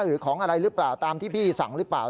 หรือของอะไรหรือเปล่าตามที่พี่สั่งหรือเปล่า